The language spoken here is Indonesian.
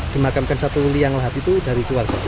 dimakamkan satu liang lahat itu dari keluarga